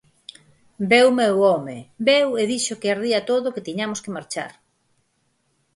Veu meu home, veu e dixo que ardía todo que tiñamos que marchar.